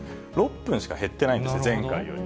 ６分しか減ってないんです、前回より。